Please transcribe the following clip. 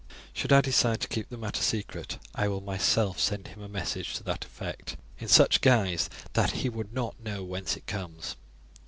Should I decide to keep the matter secret, I will myself send him a message to that effect, in such guise that he would not know whence it comes.